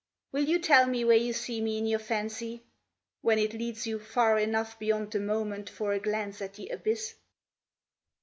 Will you tell me where you see me in your fancy when it leads you Far enough beyond the moment for a glance at the abyss?"